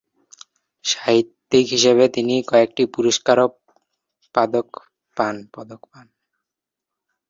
সাহিত্যিক হিসাবে তিনি কয়েকটি পুরস্কার ও পদক পান।